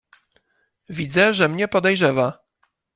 "Widzę, że mnie podejrzewa."